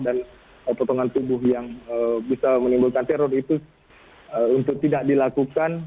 dan potongan tubuh yang bisa menimbulkan teror itu untuk tidak dilakukan